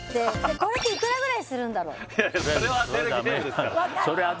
これっていくらぐらいするんだろ？